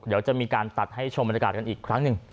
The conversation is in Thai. เดี๋ยวจะมีการตัดให้ชมบรรยากาศกันอีกครั้งหนึ่ง